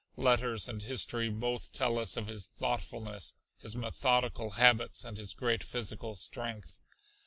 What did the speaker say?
Letters and history both tell us of his thoughtfulness, his methodical habits and his great physical strength.